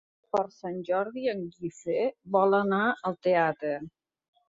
Per Sant Jordi en Guifré vol anar al teatre.